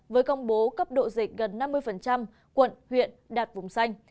với công bố cấp độ dịch gần năm mươi quận huyện đạt vùng xanh